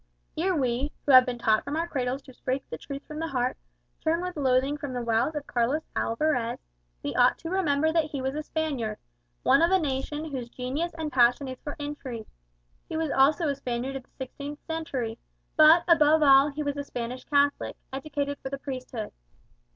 Ere we, who have been taught from our cradles to "speak the truth from the heart," turn with loathing from the wiles of Carlos Alvarez, we ought to remember that he was a Spaniard one of a nation whose genius and passion is for intrigue. He was also a Spaniard of the sixteenth century; but, above all, he was a Spanish Catholic, educated for the priesthood.